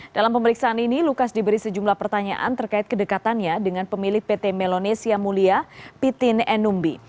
dalam pemeriksaan ini lukas diberi sejumlah pertanyaan terkait kedekatannya dengan pemilih pt melonesia mulia pitin enumbi